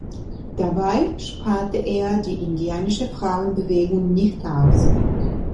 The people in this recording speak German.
Dabei sparte er die indianische Frauenbewegung nicht aus.